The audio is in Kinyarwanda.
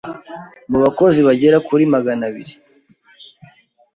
Mu bakozi bagera kuri maganabiri